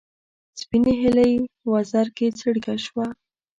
سپینې هیلۍ وزر کې څړیکه شوه